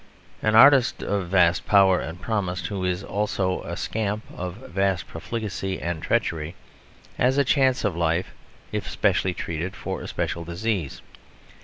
An artist of vast power and promise, who is also a scamp of vast profligacy and treachery, has a chance of life if specially treated for a special disease.